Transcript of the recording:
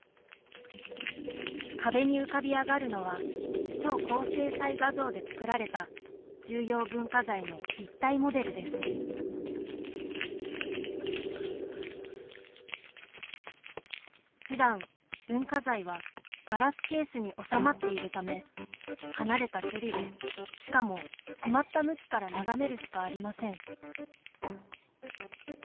壁に浮かび上がるのは超高精細画像で作られた重要文化財の立体モデルですふだん、文化財はガラスケースに収まっているため離れた距離でしかも決まった向きから眺めるしかありません